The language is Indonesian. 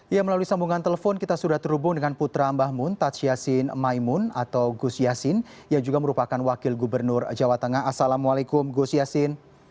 ya melalui sambungan telepon kita sudah terhubung dengan putra mbah mun tadj yassin maimun atau gus yassin yang juga merupakan wakil gubernur jawa tengah assalamualaikum gus yassin